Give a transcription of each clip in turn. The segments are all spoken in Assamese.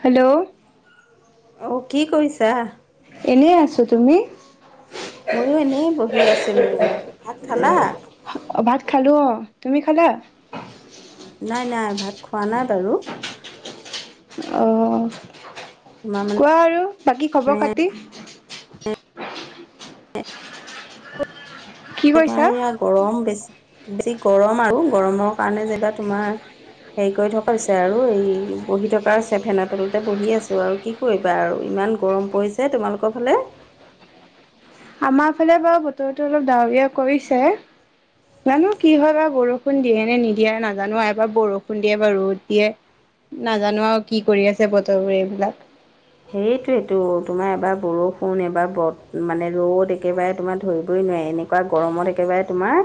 হেল্ল'। অ' কি কৰিছা? এনেই আছোঁ, তুমি? মইো এনেই বহি আছিলো, ভাত খালা? ভাত খালো, অ' তুমি খালা? নাই নাই ভাত খোৱা নাই বাৰু। অ' তোমাৰ মানে কোৱা আৰু, বাকী খবৰ খাতি। কি তোমাৰ কৈছা। ইয়া গৰম বেছি বেছি গৰম আৰু গৰমৰ কাৰণে যেনিবা তোমাৰ হেৰি কৰি থকা হৈছে আৰু এই বহি থকা হৈছে ফেনৰ তলতে বহি আছো আৰু কি কি কৰিবা আৰু ইমান গৰম পৰিছে তোমালোকৰ ফালে আমাৰ ফালে বাৰু বতৰতো অলপ ডাৱৰীয়া কৰিছে জানো কি হয় বা বৰষুণ দিয়ে নে নিদিয়ে নাজানো এবাৰ বৰষুণ দিয়ে এবা ৰ'দ দিয়ে নাজানো আৰু কি কৰি আছে বতৰবোৰ এইবিলাক সেইটোৱেটো তোমাৰ এবাৰ বৰষুণ এবাৰ বত মানে ৰ'দ একেবাৰে তোমাৰ ধৰিবই নোৱাৰে এনেক কুৱা গৰমত একেবাৰে তোমাৰ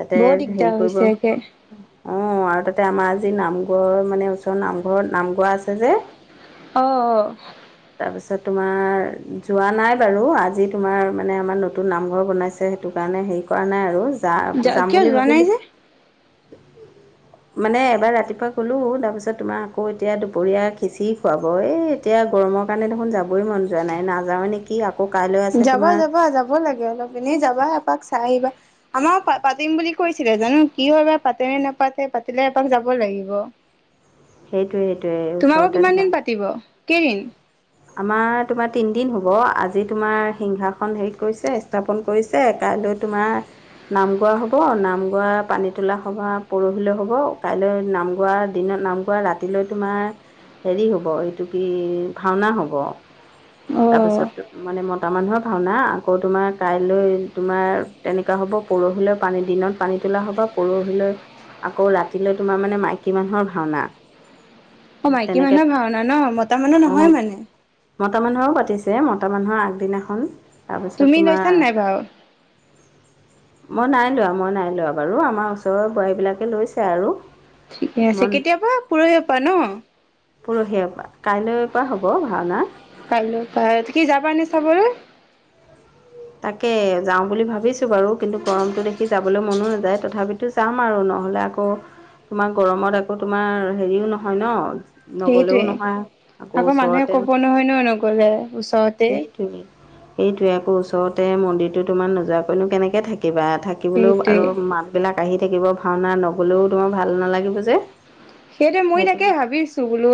তাতে বৰ দিগদাৰ হেৰি কৰিব হৈছে একে অ আৰু তাতে আমাৰ আজি নামঘৰ মানে ওচৰ নামঘৰত নাম গোৱা আছে যে অঁ অ তাৰপিছত তোমাৰ যোৱা নাই বাৰু আজি তোমাৰ মানে আমাৰ নতুন নামঘৰ বনাইছে সেইটো কাৰণে হেৰি কৰা নাই আৰু যা অ যাম কিয় বুলি যোৱা নাই ভাবিলো যে মানে এবাৰ ৰাতিপুৱা গলোঁ তাৰপিছত তোমাৰ আকৌ এতিয়া দুপৰীয়া খিঁচিৰি খুৱাব এই এতিয়া গৰমক কাৰণে দেখোন যাবই মন যোৱা নাই নাযাওঁ নেকি আক যাবা যাবা যাব লাগে অলপ এনেই যাবা এপাক চাই আহিবা আমাৰো পা পাতিম বুলি কৈছিলে জানো কি হয় বা পাতে নে নাপাতে পাতিলে এপাক যাব লাগিব সেইটোৱে সেইটোয়ে তোমালোকৰ ওচৰতে কিমান ধৰা দিন পাতিব কেদিন আমাৰ তোমাৰ তিনদিন হ'ব আজি তোমাৰ সিংহাসন হেৰিত কৰিছে স্থাপন কৰিছে কাইলৈ তোমাৰ নাম গোৱা হ'ব নাম গোৱা পানীতোলা সভা পৰহিলৈ হ'ব কাইলৈ নাম গোৱা দিনত নাম কোৱা ৰাতিলৈ তোমাৰ হেৰি হ'ব এইটো কি ভা ভাওনা হ'ব অ তাপাছত মানে মতা মানুহৰ ভাওনা আকৌ তোমাৰ কাইলৈ তোমাৰ তেনেকুৱা হ'ব পৰহিলৈ পানী দিনত পানী তোলা হ'ব পৰহিলৈ আকৌ ৰাতিলৈ তোমাৰ মানে মাইকী মানুহৰ ভাওনা অ মাইকী তেনেকৈ মানুহৰ ভাওনা ন মতা মানুহ নহয় অঁ মানে মতা মানুহৰো পাতিছে মতা মানুহৰ আগদিনাখন তাৰপিছত তুমি লৈছা তোমাৰ [unintelligible] নাই ভাও মই নাই লোৱা মই নাই লোৱা বাৰু আমাৰ ওচৰৰ বোৱাৰী বিলাকে লৈছে আৰু ঠিকে আছে মন কেতিয়াবা পৰহিৰ পৰা ন পৰহিয়েৰ পৰা কাইলৈৰ পৰা হব ভাও না কাইলৈ পা এতা কি যাবা নে চাবলৈ তাকে যাওঁ বুলি ভাবিছো বাৰু কিন্তু গৰমটো দেখি যাবলৈ মনো নাযায় তথাপিতো যাম আৰু নহ'লে আকৌ তোমাৰ গৰমত আকৌ তোমাৰ হেৰিও নহয় ন নগলেও সেইটোৱে নহয় আকৌ মানুহে ওচৰতে কব নহয় ন নগলে ওচৰতে সেইটো সেটোৱেই আকৌ ওচৰতে মন্দিৰতো তোমাৰ নোযোৱাকৈনো কেনেকে থাকিবা থাক থাকিবলৌ আৰু সেইটোৱে মাত বিলাক আহি থাকিব ভাওনা নগলেও তোমাৰ ভাল নালাগিব যে সেইটোৱে মই সেইটো তাকে ভাবিছো বোলো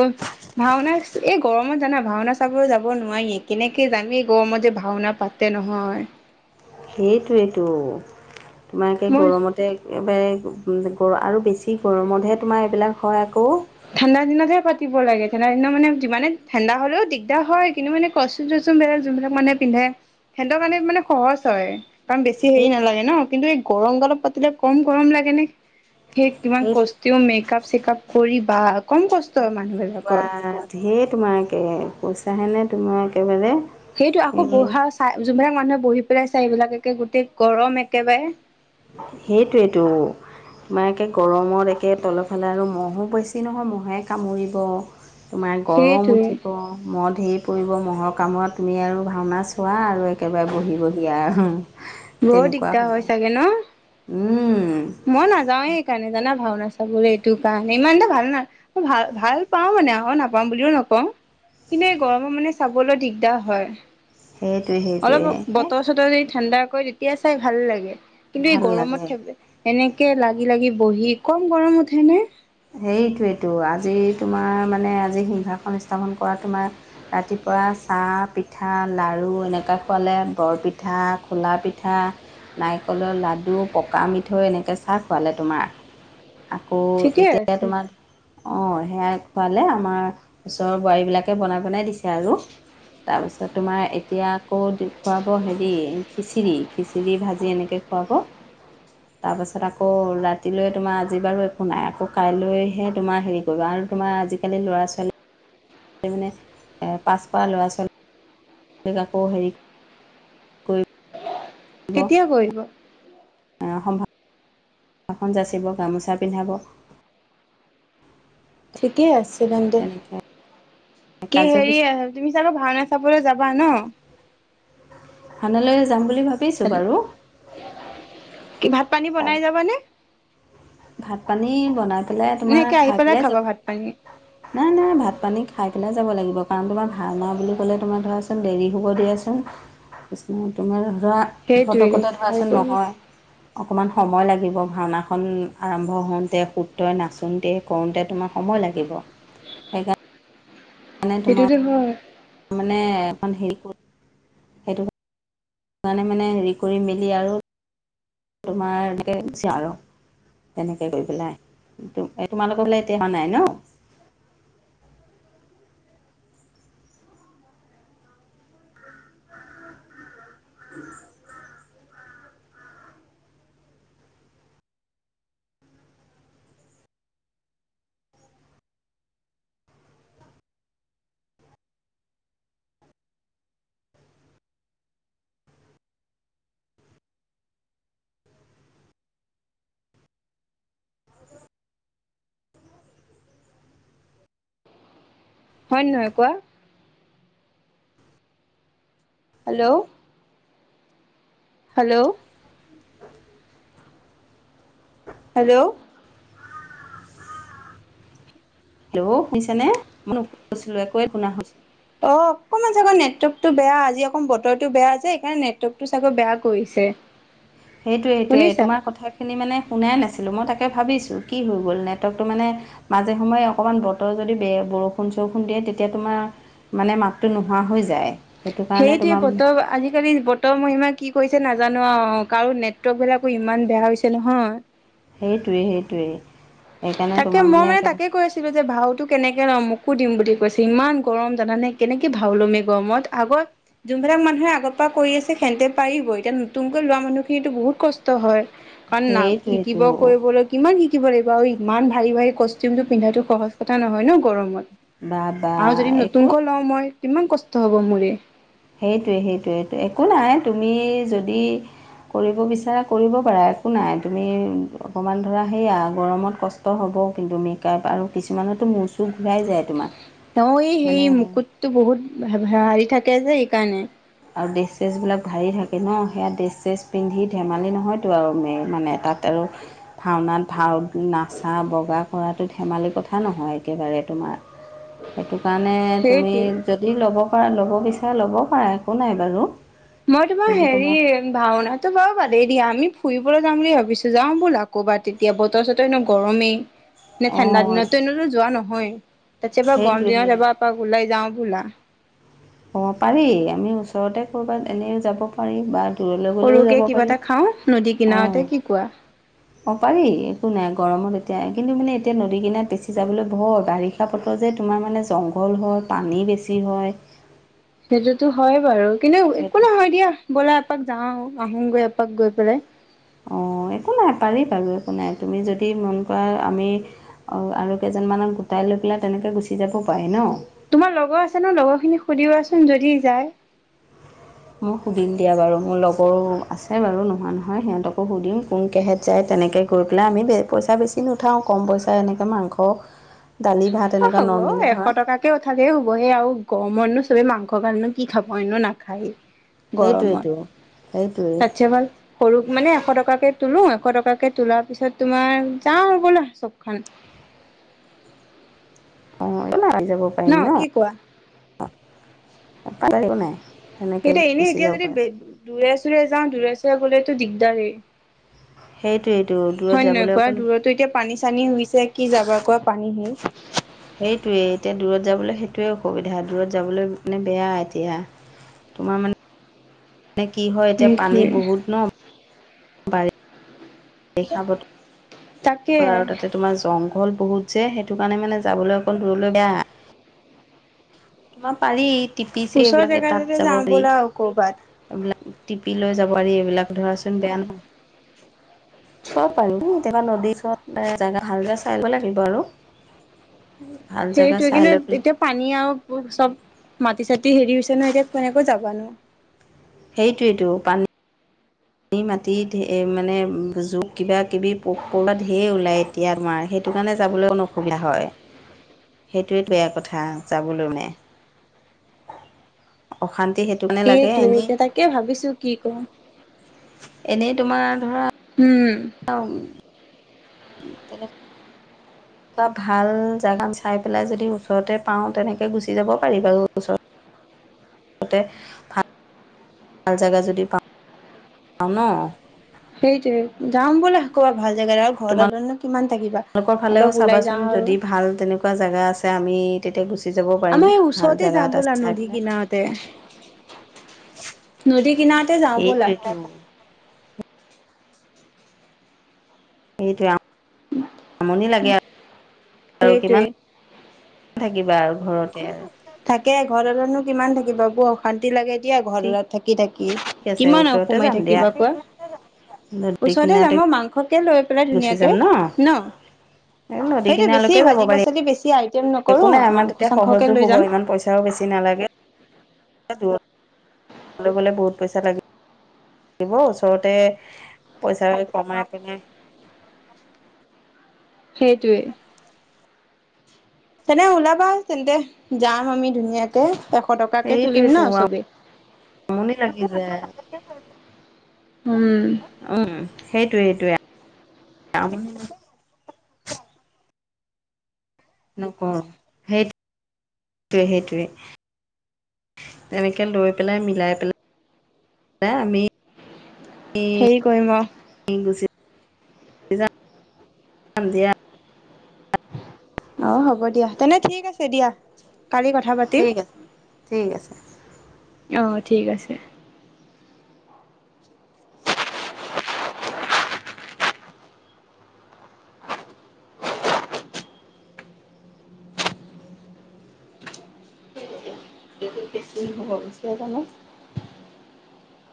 ভাওনা এই গৰমত জানা ভাওনা চাব যাব নোৱাৰি কেনেকে যামি গৰমত যে ভাওনা পাত তে নহয় সেইটোৱেইটো তোমা-কে মই গৰমতে বেৰেক গ আৰু বেছি গৰমতহে তোমাৰ এইবিলাক হয় আকৌ ঠাণ্ডা দিনতহে পাতিব লাগে ঠণ্ডা দিনত মানে যিমানে ঠাণ্ডা হ'লেও দিগদাৰ হয় কিন্তু মানে কচটিউম চচটিউম বিলাক যোনবিলাক মানুহ পিন্ধে সিহঁতৰ কাৰণে মানে সহজ হয় কাৰণ বেছি সেই হেৰি নেলাগে ন, কিন্তু এই গৰম গলপ পাতিলে কম গৰম লাগে নে সেই কিমান কষ্ট তেওঁ মেকআপ চেকআপ কৰি বা কষ্ট হয় বা মানুহবিলাকৰ ধেৰ তোমাৰ একে পইচাহে নে তোমাৰ একেবাৰে। সেইটোৱে আকৌ এই বহা চাই যোনবিলাক মানুহে বহি পেলাই চাই সেইবিলাক একে গোটেই গৰম একেবাৰে। সেইটোৱেইটো। মানে একে গৰমত একে তলৰফালে আৰু মহো বেছি নহয় মহে কামুৰিব। তোমাৰ গৰম সেইটোৱে উঠিব মহ ধেই পৰিব মহ'ৰ কামোৰত তুমি আৰু ভাওনা চোৱা আৰু একেবাৰে বহি বহি আৰু। বৰ তেনেকুৱা দিগদাৰ হ'ব হয় চাগে ন? উম। মই নাযাওঁয়ে সেইকাৰণে জানা ভাওনা চাবলে এইটো কাৰণে, ইমান এটা ভাল না ভাল ভাল পাওঁ মানে আক নাপাওঁ বুলিও নকওঁ। কিন্তু এই গৰমত মানে চাবলৈ দিগদাৰ হয়। সেইটোৱেহে অলপ বতৰ চতৰ যদি ঠাণ্ডা কৰে তেতিয়া চাই ভাল লাগে, কিন্তু এই ভাল লাগে গৰমত থ- এনেকে লাগি লাগি বহি কম গৰম উঠে নে! সেইটোৱেইটো আজি তোমাৰ মানে আজি হিংসাসন স্থাপন কৰা তোমাৰ ৰাতিপুৱা চাহ, পিঠা, লাডু এনেকুৱা খোৱালে বৰপিঠা, খোলা পিঠা নাৰিকলৰ লাডু পকা মিঠৈ এনেকে চাহ খোৱালে তোমাৰ। আকৌ ঠিকেই এতিয়া আছে তোমাৰ অ সেয়াই খোৱালে আমাৰ ওচৰৰ বোৱাৰীবিলাকে বনাই বনাই দিছে আৰু। তাৰপিছত তোমাৰ এতিয়া আকৌ দে খুৱাব হেৰি খিচিৰি, খিচিৰি ভাজি এনেকে খুৱাব তাৰপাছত আকৌ ৰাতিলৈ তোমাৰ আজি বাৰু একো নাই আকৌ কাইলৈহে তোমাৰ হেৰি কৰিব, আৰু তোমাৰ আজিকালি ল'ৰা ছোৱালী মানে এ পাছ কৰা ল'ৰা ছোৱালী লীক আকৌ হেৰি কৰি কেতিয়া কৰিব? এ সম্ভৱ আখন যাচিব গামোচা পিন্ধাব। [unintelligible] ঠিকেই আছে তেন্তে, তেনেকৈ কি হেৰি কাৰ্যসূচী তুমি চাগৈ ভাওনা চাবলে যাবা ন? ভাওনালে যাম বুলি ভাবিছো বাৰু। কি ভাত পানী বনাই যাবানে? ভাত পানী বনাই পেলাই তোমাৰ খাই পেলাই যাব তাকে নাই নাই ভাত পানী খাই পেলাই যাব লাগিব, কাৰণ তোমাৰ ভাওনা বুলি ক'লে তোমাৰ ধৰাচোন দেৰি হ'ব দিয়াচোন। তোমাৰ ধৰা সেইটোৱে ফতকতে খাই ধৰাচোন কৰি নহয়। অকণমান সময় লাগিব ভাওনাখন আৰম্ভ হওঁতে সূত্ৰই নাচোঁতে। কৰোঁতে তোমাৰ সময় লাগিব, সেইকাৰণে তোমাৰ সেইটোতো হয়। মানে এখন শিল্প সেইকাৰণে মানে হেৰি কৰি মেলি আৰু তোমাৰ এনেকে [unintelligible] আৰু। এনেকে কৰি পেলাই তোমালোকৰ হলে এতিয়া হোৱা নাই ন। [unintelligible] হয় নে নহয় কোৱা। হেল্ল' হেল্ল' হেল্ল' হেল্ল' শুনিছা নে মই ন কৈছিলো একোৱে শুনা হৈছ অ অকনমান চাগে নেটৱৰ্কতটো বেয়া আজি অকণ বতৰটো বেয়া আছে সেইকাৰণে নেটৱৰ্কটো চাগৈ বেয়া কৰিছে। সেইটোয়ে সেইটোয়ে শুনিছা তোমাৰ কথাইত খিনি মানে শুনাই নাছিলোঁ মই তাকে ভাবিছোঁ কি হৈ গ'ল নেটৱৰ্কটো মানে মাজে সময়ে অকমান বতৰ যদি বে বৰষুণ চৰষুণ দিয়ে তেতিয়া তোমাৰ মানে মাতটো নোহোৱা হৈ যায়। সেইটো কাৰণে সেইটোৱে তোমাৰ মানে পতৰ আজিকালি বত ত মহিমা কি কৰিছে নাজানো আও কাৰো নেটৱৰ্ক বিলাকো ইমান বেয়া হৈছে নহয়। সেইটোৱেই সেইটোৱেই। সেইকাৰণে তাকে তোমাৰ মই মানে একে তাকে কৈ আছো। ছিলো যে ভাওটো কেনেকে লম মোকো দিম বুলি কৈছে ইমান গৰম জানানে কেনেকে ভাও ল'ম এই গৰমত আগৰ যোনবিলাক মানুহে আগৰ পা কৰি আছে খেন্তে পাৰিব এতিয়া নতুনকৈ লোৱা মানুহ খিনিতো বহুত কচ ষ্ট হয় কাৰণ না সেইটোৱেইটো শিকিব কৰিবলৈ কিমান শিকিব লাগিব। বাৰু ইমান ভাৰী ভাৰী কষ্টিউমটো পিন্ধাটো সহজ কথা নহয় ন গৰমত। বা বা আৰু যদি একো নতুনকৈ লওঁ মই কিমান কষ্ট হব মোৰে। সেইটোৱে সেইটোৱে সেইটোৱেএকো নাই তুমি যদি কৰিব বিচাৰা কৰিব পাৰা একো নাই তুমি অকমান ধৰা সেয়া গৰমত কচ অ হ'ব কিন্তু মেকআপ আৰু কিছুমানতো মোৰচু ঘূৰাই যায় তোমাৰ তেওঁ এই সেই মানে মুকুটটো বহুত হাৰি থাকে আছে এইকাৰণে। আৰু ড্ৰেচেছেছবিলাক ভাৰি থাকে ন সেয়া ড্ৰেচ চেছ পিন্ধি ধেমালি নহয়তো আৰু মে মানে তাতেও ভাওনাত ভাও নাচা বগা কৰাটো ধেমালি কথা নহয় একেবাৰে তোমাৰ। [unintelligible] সেইটো কাৰণে তুমি সেইটোৱে যদি ল'ব পাৰা ল'ব বিচাৰা ল'ব পাৰা একো নাই বাৰু। মই তোমা কিন্তু হেৰি তোমাৰ ভাওনাতো বাৰু বাদেই দিয়া আমি ফুৰিবলৈ যাম বুলি ভাবিছো যাওঁ ব'লা কবাত তেতিয়া বত তছত এনেও গৰমেই। নে ঠাণ্ডা অঁ দিনতো এনেতো যোৱা নহয় তাছ এবাৰ গৰম সেইটোৱে দিনত এবাৰ এপাক ওলাই যাওঁ বলা। অ পাৰি আমি ওচৰতে ক'ৰবাত এনে যাব পাৰি বা দূৰলে গ'লেও সৰুকে যাব কিবা পাৰি এটা খাওঁ নদী কিনাৰতে অঁহ'। কি কোৱা অঁ পাৰি একো নাই গৰমত এতিয়া কিন্তু মানে এতিয়া নদী কিনাত বেচি যাবলে ভয় বাৰিষ ষাপত যে তোমাৰ মানে জংঘল হয় পানী বেছি হয় সেইটোতো হয় বাৰু কিন্তু একো সেইটো নহয় দিয়া ব'লা এপাক যাওঁ আহোঁগৈ এপাক গৈ পেলাই। অঁ একো নাই পাৰি বাৰু একো নাই তুমি যদি মন কৰা আমি অ আৰু কেইজনমানক গোটাই লৈ পেলাই তেনেকৈ গুচি যাব পাৰি ন। তোমাৰ লগৰ আছে ন লগৰখিনিক সুধিবাচোন যদি যায়। অঁ সুদিম দিয়া বাৰু মোৰ লগৰো আছে বাৰু নহোৱা নহয় সিহঁতকো সুধিম কোনকেহেঁত- যায় তেনেকে কৰি পেলাই আমি পইচা বেছি নোথাওঁ কম পইচাই এনেকে মাংখ দালি ভাত অ এনেকৈ হ'ব নৰ্মেলি এশ ধৰা টকাত কে ওঠালেও হ'বহে আৰু গৰমতনো চবে মাংস গালনো কি খাব এনো নাখায়ে। সেইটোৱেইটো গৰমত, সেইটোৱেই তাত চে ভাল। সৰুক মানে এশ টকাকে তোলো এশ টকাকে তোলাৰ পিছত তোমাৰ যাওঁ ব'লা চব খন। অ একো নাই আমি যাব পাৰিম ন, কি কোৱা কাল একো নাই। তেনেকৈ সেইটো এনেই গুচি এতিয়া যাব যদি পাৰে দূৰে চোৰে যাওঁ দূৰে চোৰে গ'লেতো দিগদাৰেই। সেইটোৱেইটো দূৰত হয় নহয় যাবলৈ ক অকণ দূৰতো এতিয়া- পানী চানীই হৈছে কি যাব কোৱা পানী সেই। সেইটোৱে এতিয়া দূৰত যাবলৈ সেইটোৱে অসুবিধা দূৰত যাবলৈ মানে বেয়া এতিয়া। তোমাৰ মানে মানে কি হয় এতিয়া পানী সেইটোৱে বহুত- বাৰি বাৰিষা বতৰ। তাকে আৰু তাতে তোমাৰ জংঘল বহুত যে সেইটো কাৰণে মানে যাবলৈ অকল দূৰলৈ বেয়া। তোমাৰ পাৰি টিপিছে ওচৰ এইবিলাকে তাত জেগাতে যাব যাওঁ পাৰি। ব'লা আৰু কৰ'বাত এইবিলাক টিপি লৈ যাব আৰুি এইবিলাক ধৰাচোন বেয়া ন চব পাৰি। কেতিয়াবা নদীৰ চত জাগা ভালক চাই লব লাগিব আৰু। ভাল জেগা সেইটোৱে চাই লৈ কিন্তু পেলাই এতিয়া পানী আৰু চব মাটি চাটি হেৰি হৈছে নহয়, এতিয়া কেনেকৈ যাবানো? সেইটোৱে টো পানী। পানী মাটি ঢেৰ মানে জোক কিবা কিবি পোক পৰুৱাত ঢেৰ ওলাই। এতিয়া তোমাৰ সেইটো কাৰণে যাবলৈ অকন অসুবিধা হয়। সেইটোৱে বেয়া কথা যাবলৈ মানে, অশান্তি সেই- সেইটোৱে এতিয়া তাকে ভাবিছো কি কৰোঁ। এনেই তোমাৰ ধৰা। উম। [unintelligible] কি তেলে? এটা ভাল জোগা চাই পেলাই যদি ওচৰতে পাওঁ তেনেকে গুচি যাব পাৰি বাৰু ওচৰত। মুঠতে ভাত। ভাল জেগা যদি পাওঁ। পাওঁ ন। সেইটোৱে যাম বলা কবাত ভাল জেগা আৰু ঘৰতনো কিমান থাকিবা। আপালোকৰ ফালেও অলপ ওলাই যাওঁ চাবাচোন আৰু যদি ভাল তেনেকুৱা জেগা আছে আমি তেতিয়া গুচি যাব আমাৰ পাৰিম। এই ভাল ওচৰতে জেগা যাওঁ এটা ব'লা চাই নদী পেলাই কিনাৰতে। [inaudible] নদী কিনাৰতে যাওঁ ব'লা। সেইটোৱেতো সেইটোৱে, আমনি লাগে আৰু, আৰু সেইটোৱে। কিমান- থাকিবা আৰু ঘৰতে আৰু। তাকে ঘৰতে নো কিমান থাকিব ক। অশান্তি লাগে দিয়া ঠিক ঘৰত থাকি থাকি আছে কিমান আৰু ওচৰতে সোমাই যাম দিয়া থাকিবা কোৱা। নদী ওচৰতে কিনাৰতে যাম ঐ মাংসকে লৈ। কৰা গুচি ধুনিয়াকে, যাম ন এই নদী সেইটো বেছি কিনাৰলৈকে যাব ভাজি পাৰি পাচলি বেছি আৰু। টিম নকৰোঁ মাংস চাংসকৈ লৈ যাম। তাও বেছি নালাগে। লগত লগৰ গ'লে বহুত পইচা লাগে। দিব ওচৰতে পইচা কমাই পিনি। সেইটোৱে। তেনে ওলাবা তেন্তে। যাম আমি ধুনীয়াকে এশ টকাকে তুলিম ন সেইটোৱেতো চবেই। আমনি লাগি যায়। উম। ওম সেইটোৱে সেইটোৱে। নকৰ, সেই সেইটোৱে সেইটোৱে। তেনেকে লৈ পেলাই মিলাই পেলাই আমি - হেৰি কৰিম অ। [unintelligible] [unintelligible] অ হ'ব দিয়া, তেনে ঠিক আছে দিয়া, কালি কথা পাতিম। ঠিক আছে ঠিক আছে অ ঠিক আছে। বেছি হ'ব গুচি আহ জানো।